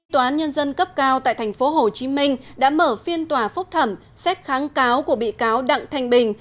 tòa án nhân dân cấp cao tại tp hcm đã mở phiên tòa phúc thẩm xét kháng cáo của bị cáo đặng thanh bình